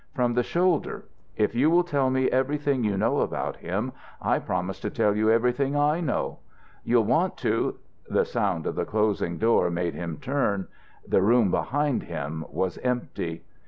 From the shoulder. If you will tell me everything you know about him I promise to tell you everything I know. You'll want to " The sound of the closing door made him turn. The room behind him was empty.